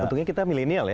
untungnya kita milenial ya